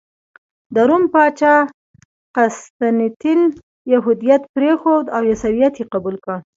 د روم پاچا قسطنطین یهودیت پرېښود او عیسویت یې قبول کړ.